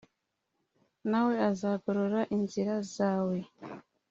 na we azagorora inzira zawe